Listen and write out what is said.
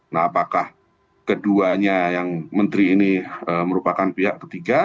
nah apakah keduanya yang menteri ini merupakan pihak ketiga